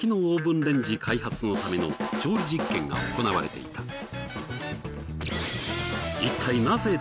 オーブンレンジ開発のための調理実験が行われていた。